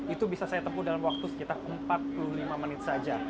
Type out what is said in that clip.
itu bisa saya tempuh dalam waktu sekitar empat puluh lima menit saja